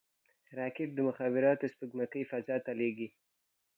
راکټ د مخابراتو سپوږمکۍ فضا ته لیږي